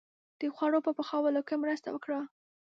• د خوړو په پخولو کې مرسته وکړه.